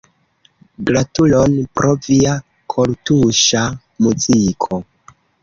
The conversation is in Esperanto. Gratulon pro via kortuŝa muziko.